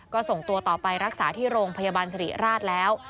ก็ส่งตัวต่อไปรักษาที่โรงพยาบาลสิริราชแล้ว